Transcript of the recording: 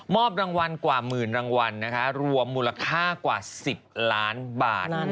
รางวัลกว่าหมื่นรางวัลนะคะรวมมูลค่ากว่า๑๐ล้านบาท